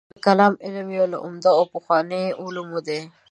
د کلام علم یو له عمده او پخوانیو علومو دی.